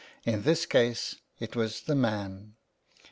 In this case it was the man.